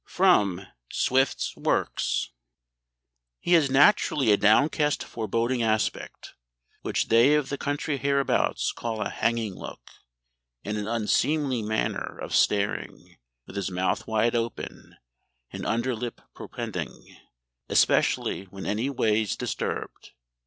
[Sidenote: Swift's Works.] "He has naturally a downcast foreboding aspect, which they of the country hereabouts call a hanging look, and an unseemly manner of staring, with his mouth wide open, and under lip propending, especially when any ways disturbed....